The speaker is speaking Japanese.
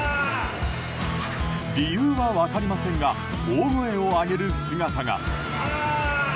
理由は分かりませんが大声を上げる姿が。